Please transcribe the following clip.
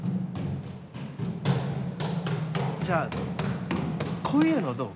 じゃあこういうのどう？